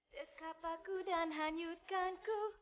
dekap aku dan hanyutkanku